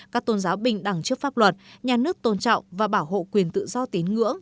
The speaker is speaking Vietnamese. các tôn giáo bình đẳng trước pháp luật nhà nước tôn trọng và bảo hộ quyền tự do tín ngưỡng